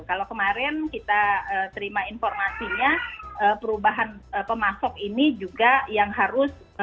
kalau kemarin kita terima informasinya perubahan pemasok ini juga yang harus